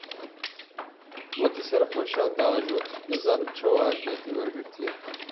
Wekî serxweşan diajot, nizanim çawa ehliyetê wergirtiye.